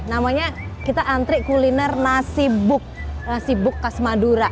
namanya kita antri kuliner nasi buk khas madura